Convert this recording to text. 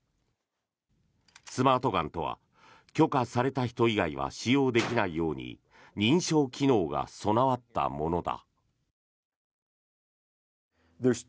スマートガンとは許可された人以外は使用できないように認証機能が備わったものだ。